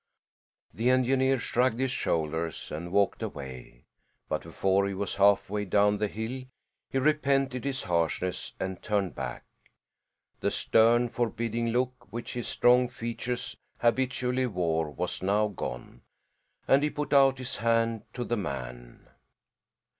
The engineer shrugged his shoulders and walked away, but before he was halfway down the hill he repented his harshness, and turned back. The stern forbidding look which his strong features habitually wore was now gone and he put out his hand to the man.